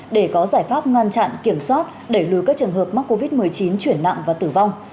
để có giải pháp ngăn chặn kiểm soát đẩy lùi các trường hợp mắc covid một mươi chín chuyển nặng và tử vong